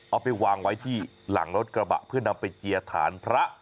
เอาไปวางไว้ที่หลังรถกระบะเพื่อนำไปเจียฐานพระ